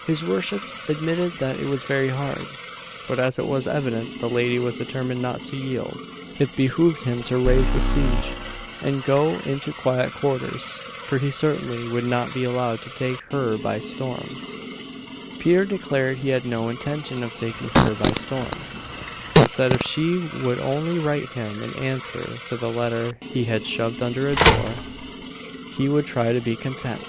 His worship admitted that it was very hard; but as it was evident the lady was determined not to yield, it behoved him to raise the siege and go into quiet quarters, for he certainly would not be allowed to take her by storm. Peter declared he had no intention of taking her by storm; and said if she would only write him an answer to the letter he had shoved under her door, he would try to be content.